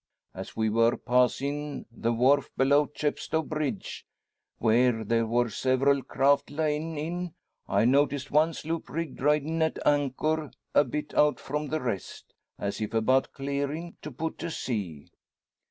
As we were passin' the wharf below Chepstow Bridge, where there wor several craft lyin' in, I noticed one sloop rigged ridin' at anchor a bit out from the rest, as if about clearin' to put to sea.